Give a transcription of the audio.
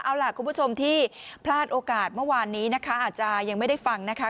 เอาล่ะคุณผู้ชมที่พลาดโอกาสเมื่อวานนี้นะคะอาจจะยังไม่ได้ฟังนะคะ